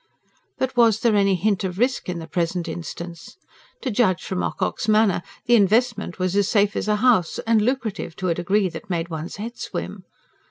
But was there any hint of risk in the present instance? To judge from Ocock's manner, the investment was as safe as a house, and lucrative to a degree that made one's head swim.